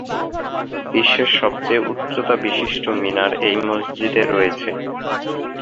বিশ্বের সবচেয়ে উচ্চতাবিশিষ্ট মিনার এই মসজিদে রয়েছে।